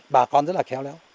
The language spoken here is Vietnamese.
bà con rất là khéo léo